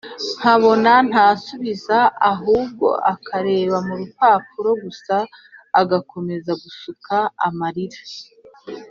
nkabona ntasubiza ahubwo akareba murupapuro gusa agakomeza gusuka marira!